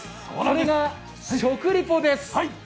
それが食リポです。